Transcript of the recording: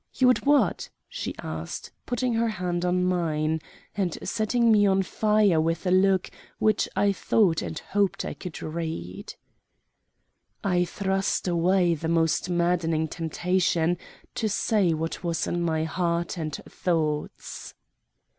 "You would what?" she asked, putting her hand on mine, and setting me on fire with a look which I thought and hoped I could read. I thrust away the almost maddening temptation to say what was in my heart and thoughts.